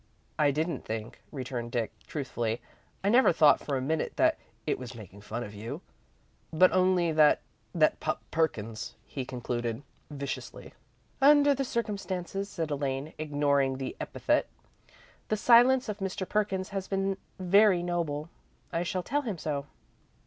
"I didn't think," returned Dick, truthfully. "I never thought for a minute that it was making fun of you, but only of that that pup, Perkins," he concluded, viciously. "Under the circumstances," said Elaine, ignoring the epithet, "the silence of Mr. Perkins has been very noble. I shall tell him so."